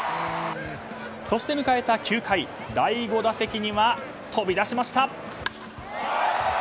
そして迎えた９回第５打席には飛び出しました！